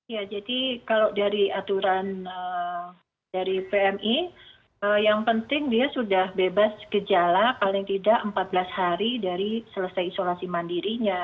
ya jadi kalau dari aturan dari pmi yang penting dia sudah bebas gejala paling tidak empat belas hari dari selesai isolasi mandirinya